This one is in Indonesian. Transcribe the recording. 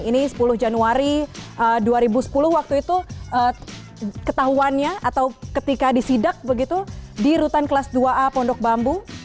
ini sepuluh januari dua ribu sepuluh waktu itu ketahuannya atau ketika disidak begitu di rutan kelas dua a pondok bambu